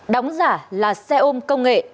đóng giả là xe ôm công nghệ